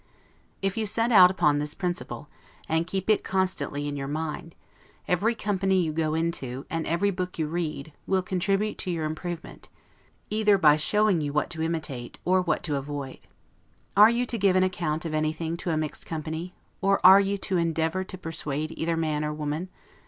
If you set out upon this principle, and keep it constantly in your mind, every company you go into, and every book you read, will contribute to your improvement, either by showing you what to imitate, or what to avoid. Are you to give an account of anything to a mixed company? or are you to endeavor to persuade either man or woman?